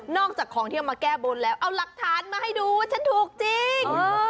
อกจากของที่เอามาแก้บนแล้วเอาหลักฐานมาให้ดูฉันถูกจริง